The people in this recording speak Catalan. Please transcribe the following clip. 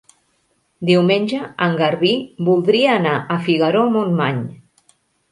Diumenge en Garbí voldria anar a Figaró-Montmany.